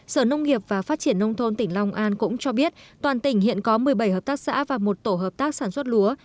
sở nông nghiệp và phát triển nông thôn tỉnh long an cũng cho biết toàn tỉnh hiện có một mươi bảy hợp tác xã và một tổ hợp tác sản xuất lúa